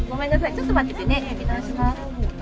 ちょっと待っててね。